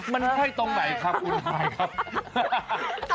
มันค่อยตรงไหนคะคุณภายครับ